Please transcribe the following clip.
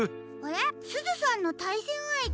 すずさんのたいせんあいてって。